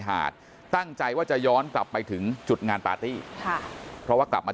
หาดตั้งใจว่าจะย้อนกลับไปถึงจุดงานปาร์ตี้ค่ะเพราะว่ากลับมา